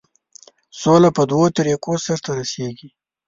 سوله په دوو طریقو سرته رسیږي.